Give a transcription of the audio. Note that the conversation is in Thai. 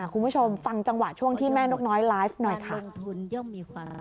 คุณผู้ชมฟังจังหวะช่วงที่แม่นกน้อยไลฟ์หน่อยค่ะ